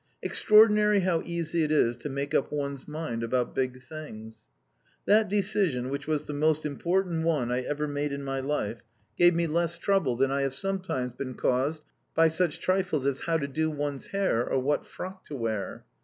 Extraordinary how easy it is to make up one's mind about big things. That decision, which was the most important one I ever made in my life, gave me less trouble than I have sometimes been caused by such trifles as how to do one's hair or what frock to wear.